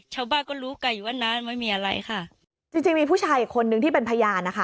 ชาวบ้านก็รู้กันอยู่ว่าน้านั้นไม่มีอะไรค่ะจริงจริงมีผู้ชายอีกคนนึงที่เป็นพยานนะคะ